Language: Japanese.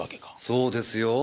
そうですよ。